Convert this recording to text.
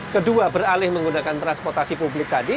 kedua beralih menggunakan transportasi publik tadi